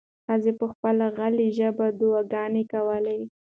ښځې په خپله غلې ژبه دعاګانې کولې.